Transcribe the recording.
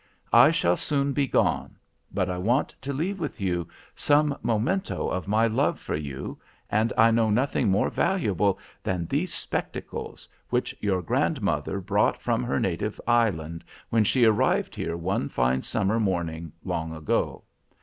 I shall soon be gone, but I want to leave with you some memento of my love for you, and I know nothing more valuable than these spectacles, which your grandmother brought from her native island, when she arrived here one fine summer morning, long ago.